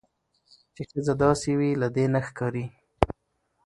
چې ښځه داسې وي. له دې نه ښکاري